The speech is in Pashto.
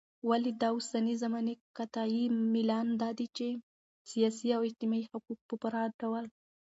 ولي داوسنۍ زماني قطعي ميلان دادى چې سياسي او اجتماعي حقوق په پوره ډول